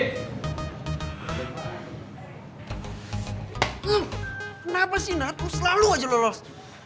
kenapa sih nat selalu aja lho los